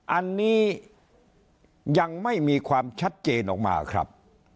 อันนี้ยังไม่มีความชัดเจนออกมาครับ